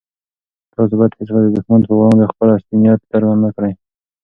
تاسو بايد هيڅکله د دښمن په وړاندې خپل اصلي نيت څرګند نه کړئ.